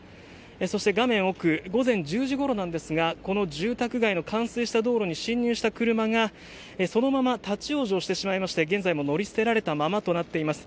そして、画面奥午前１０時ごろ住宅街の冠水した道路に進入した車がそのまま立ち往生してしまいまして現在も置かれたままとなっています。